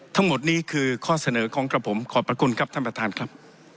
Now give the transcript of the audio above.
ทั้งหมดนี้คือข้อเสนอของกระผมขอบพระคุณครับท่านประธานครับ